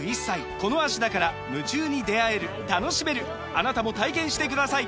あなたも体験してください！